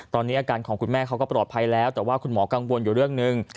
ตอนนี้อาการของคุณแม่เขาก็ปลอดภัยแล้วแต่ว่าคุณหมอกังวลอยู่เรื่องหนึ่ง